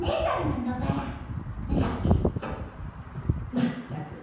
まったく。